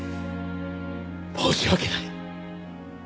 申し訳ない！